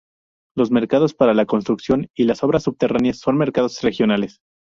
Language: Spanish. Los mercados para la construcción y las obras subterráneas son mercados regionales.